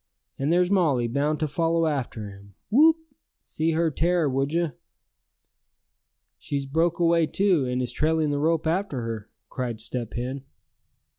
And there's Molly bound to follow after him, whoop! see her tear, would you?" "She's broke away too, and is trailing the rope after her!" cried Step Hen.